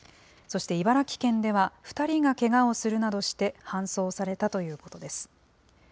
そして茨城県では、２人がけがをするなどして搬送されたということです。